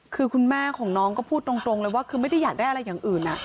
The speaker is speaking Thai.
คือคุณแม่ของน้องก็พูดตรงเลยว่าคือไม่ได้อยากได้อะไรอย่างอื่น